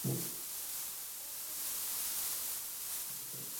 ده چې بغاوت وکړو نو اکبر ورپسې راغلو۔